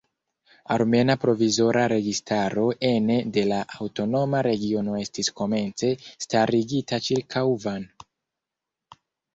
Armena provizora registaro ene de la aŭtonoma regiono estis komence starigita ĉirkaŭ Van.